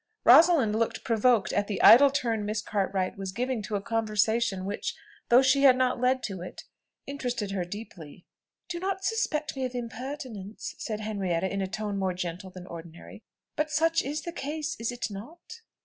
Rosalind looked provoked at the idle turn Miss Cartwright was giving to a conversation which, though she had not led to it, interested her deeply. "Do not suspect me of impertinence," said Henrietta in a tone more gentle than ordinary. "But such is the case, is it not?"